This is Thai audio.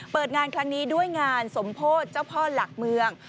เปิดงานครั้งนี้ด้วยงานสมโพธิเจ้าพ่อหลักเมือง